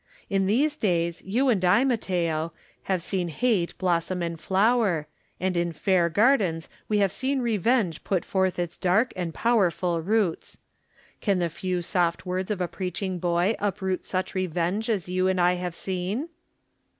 In these days you and I, Matteo, have seen hate blossom and flower, and in fair gardens Digitized by Google THE NINTH MAN have we seen revenge put forth its dark and powerful roots. Can the few soft words of a preaching boy uproot such revenge as you and I have seen?